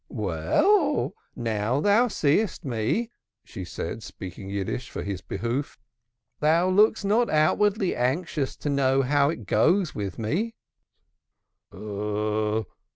"Well, now thou seest me," she said, speaking Yiddish for his behoof, "thou lookest not outwardly anxious to know how it goes with me."